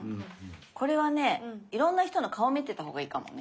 これはねいろんな人の顔見てた方がいいかもね。